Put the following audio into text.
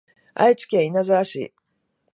愛知県稲沢市